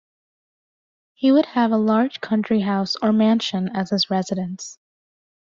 He would have a large country house or mansion as his residence.